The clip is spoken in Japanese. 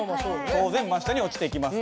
当然真下に落ちてきます。